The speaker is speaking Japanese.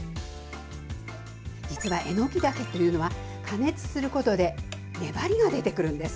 実はえのきだけというのは加熱することで粘りが出てくるんです。